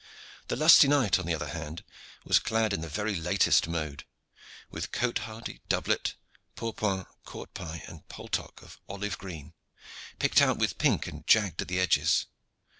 The lusty knight, on the other hand, was clad in the very latest mode, with cote hardie, doublet, pourpoint, court pie, and paltock of olive green, picked out with pink and jagged at the edges.